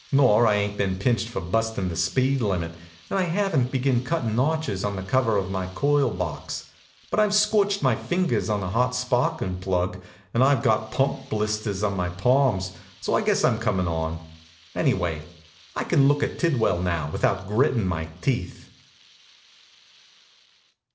Nor I ain t been pinched for bustin the speed limit, and I haven t begun cuttin notches on the cover of my coil box; but I ve scorched my fingers on a hot sparkin plug, and I ve got pump blisters on my palms, so I guess I m comin on. Any way, I can look at Tidwell now without grittin my teeth.